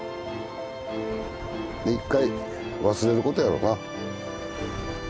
一回忘れることやろな。